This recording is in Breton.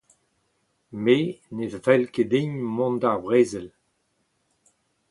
Me ne fell ket din mont d'ar brezel.